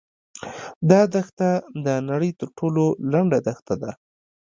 دا دښته د نړۍ تر ټولو لنډه دښته ده.